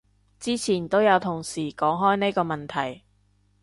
之前都有同事講開呢個問題